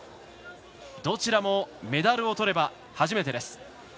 どちらもメダルをとれば初めてです。